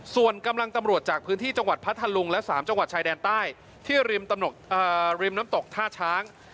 ส่วนกำลังตำรวจจากพื้นที่จังหวัดพัทธลุงและ๓จังหวัดชายแดนใต้ที่ริมน้ำตกท่าช้าง